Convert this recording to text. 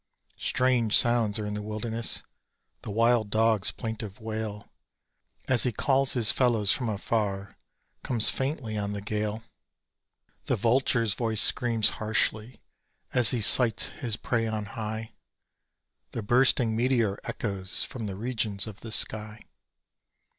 Strange sounds are in the wilderness: the wild dog's plaintive wail, As he calls his fellows from afar, comes faintly on the gale. The vulture's voice screams harshly, as he sights his prey on high; The bursting meteor echoes from the regions of the sky.